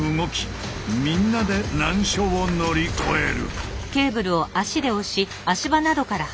みんなで難所を乗り越える。